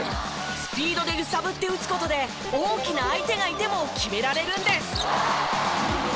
スピードで揺さぶって打つ事で大きな相手がいても決められるんです。